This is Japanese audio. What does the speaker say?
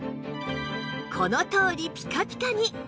このとおりピカピカに！